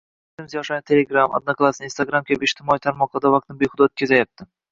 Mamlakatimiz yoshlari “Telegram”, “Odnoklassniki”, “Instagram” kabi ijtimoiy tarmoqlarda vaqtini behuda o’tkazayapti.